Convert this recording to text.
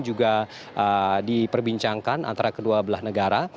juga diperbincangkan antara kedua belah negara